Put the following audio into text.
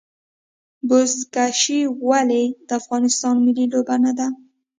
بزکشي ولې د افغانستان ملي لوبه نه ده؟